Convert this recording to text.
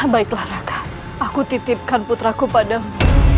baiklah raka aku titipkan putraku padam